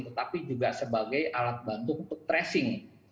tetapi juga sebagai alat bantu untuk tracing